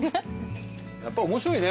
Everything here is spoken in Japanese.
やっぱ面白いね